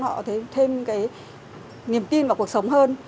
họ có thể thêm cái niềm tin vào cuộc sống hơn